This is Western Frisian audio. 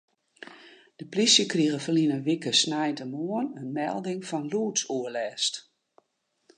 De plysje krige ferline wike sneintemoarn in melding fan lûdsoerlêst.